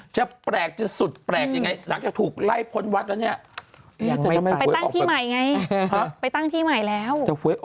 จะแปลกจะสุดแปลกยังไงหลังจากถูกไล่พ้นวัดแล้วเนี่ย